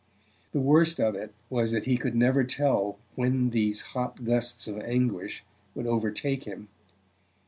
The worst of it was that he could never tell when these hot gusts of anguish would overtake him.